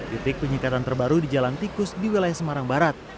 titik penyekatan terbaru di jalan tikus di wilayah semarang barat